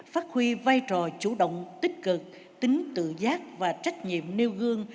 phát huy vai trò chủ động tích cực tính tự giác và trách nhiệm nêu gương